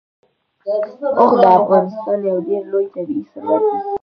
اوښ د افغانستان یو ډېر لوی طبعي ثروت دی.